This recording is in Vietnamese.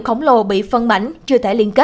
kho dữ liệu